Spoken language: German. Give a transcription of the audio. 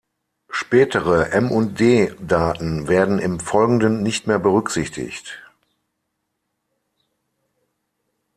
Spätere M&D-Daten werden im Folgenden nicht mehr berücksichtigt.